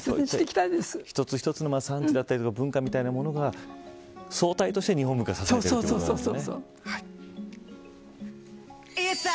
一つ一つの産地だったり文化みたいなものが総体として、日本文化を支えている、ということなんですね。